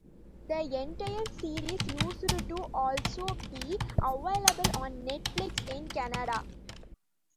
The entire series used to also be available on Netflix in Canada.